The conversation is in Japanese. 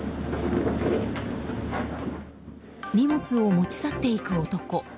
荷物を持ち去っていく男。